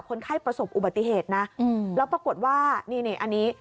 คนไข้ประสบอุบัติเหตุนะแล้วปรากฏว่านี่นี่อันนี้